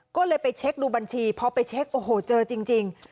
ก็เลยไปเช็คดูบัญชีพอไปเช็คโอ้โหเจอจริง